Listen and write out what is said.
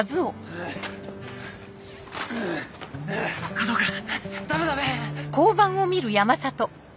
和男君ダメダメ！